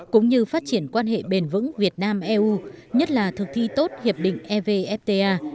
cũng như phát triển quan hệ bền vững việt nam eu nhất là thực thi tốt hiệp định evfta